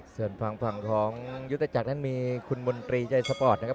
ส่วนฝั่งของยุทธจักรนั้นมีคุณมนตรีใจสปอร์ตนะครับ